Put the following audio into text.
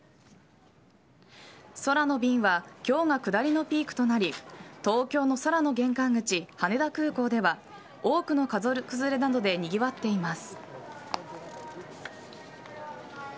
空の便は今日が下りのピークとなり東京の空の玄関口羽田空港では多くの家族連れなどでにぎわっています。